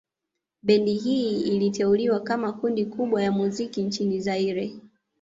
Bendi hii iliteuliwa kama kundi kubwa ya muziki nchini Zaire